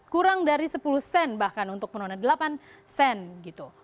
kurang dari sepuluh sen bahkan untuk penurunan delapan sen gitu